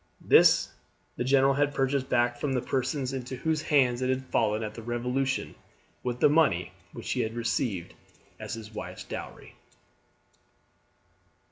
This the general had purchased back from the persons into whose hands it had fallen at the Revolution with the money which he had received as his wife's dowry.